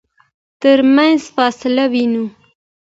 ترمنځ فاصله وينو.